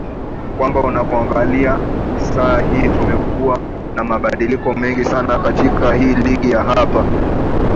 kwamba unapoangalia saa hii tumekuwa na mabadiliko mengi sana katika hii ligi ya hapa